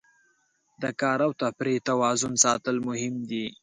د کار او تفریح توازن ساتل مهم دي.